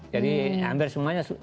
jadi hampir semuanya